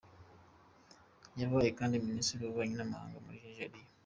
Yabaye kandi Minisitiri w’Ububanyi n’Amahanga muri Niger.